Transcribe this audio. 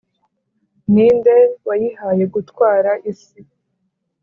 ni nde wayihaye gutwara isi’